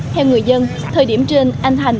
theo người dân thời điểm trên anh thành